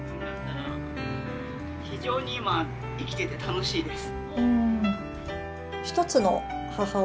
非常に今、生きてて楽しいです。